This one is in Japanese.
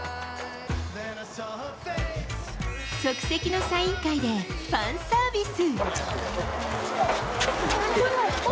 即席のサイン会でファンサービス。